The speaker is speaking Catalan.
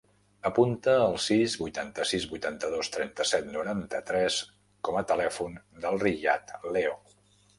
Apunta el sis, vuitanta-sis, vuitanta-dos, trenta-set, noranta-tres com a telèfon del Riyad Leo.